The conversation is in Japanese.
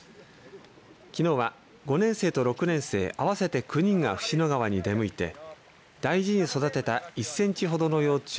きのうは５年生と６年生合わせて９人が椹野川に出向いて大事に育てた１センチほどの幼虫